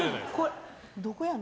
どこやの？